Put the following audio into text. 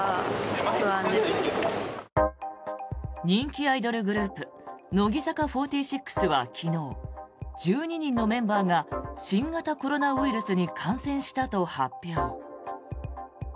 人気アイドルグループ乃木坂４６は昨日１２人のメンバーが新型コロナウイルスに感染したと発表。